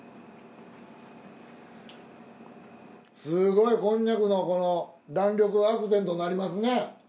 すごいこんにゃくのこの弾力がアクセントになりますね。